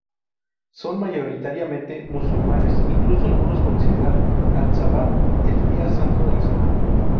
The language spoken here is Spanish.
Son mayoritariamente musulmanes, incluso algunos consideran al "sabbath "el día santo de la semana.